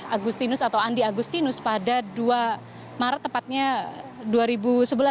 agustinus atau andi agustinus pada dua maret tepatnya dua ribu sebelas